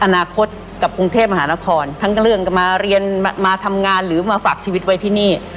อนาคตกับกรุงเทพมหานครทั้งเรื่องมาเรียนมาทำงานหรือมาฝากชีวิตไว้ที่นี่